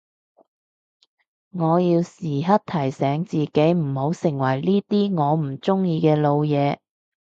我要時刻提醒自己唔好成為呢啲我唔中意嘅老嘢